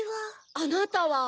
あなたは？